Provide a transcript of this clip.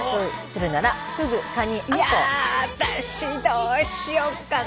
いや私どうしようかな。